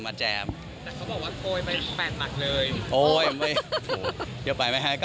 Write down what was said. แต่เขาบอกว่าโปรยไปแปนหมักเลย